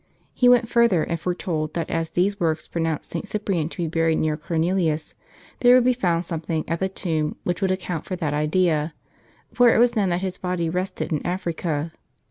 He went further, and foretold that as these works pronounced St. Cyprian to be buried near Cornelius, there would be found something at the tomb which would account for that idea, for it was known that his body rested in Africa.